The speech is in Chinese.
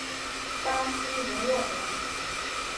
巴西隆沃泽。